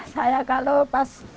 saya kalau pas